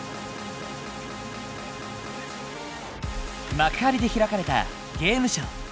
幕張で開かれたゲームショウ。